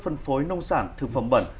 phân phối nông sản thực phẩm bẩn